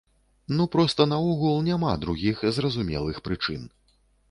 Ну проста наогул няма другіх зразумелых прычын.